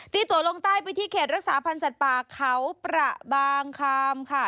ตัวลงใต้ไปที่เขตรักษาพันธ์สัตว์ป่าเขาประบางคามค่ะ